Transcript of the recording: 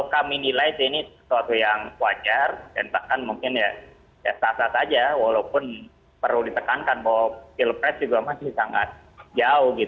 kami nilai ini sesuatu yang wajar dan bahkan mungkin ya sah sah saja walaupun perlu ditekankan bahwa pilpres juga masih sangat jauh